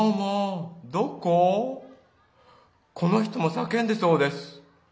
この人も叫んでそうです。